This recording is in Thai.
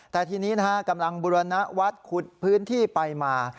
แต่ทีนี้นะฮะกำลังบุรณวัฒน์ขุดพื้นที่ไปมา